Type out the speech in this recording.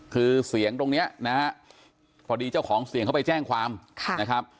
คือเสียงตรงนี้นะฮะพอดีเจ้าของเสียงเขาไปแจ้งความนะครับ